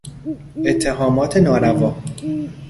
اتهامات ناروا